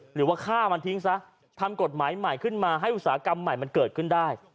หรือว่าฆ่ามันทิ้งซะทำกฎหมายใหม่ขึ้นมาให้อุตสาหกรรมใหม่มันเกิดขึ้นได้